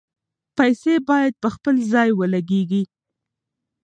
پیسې باید په خپل ځای ولګیږي.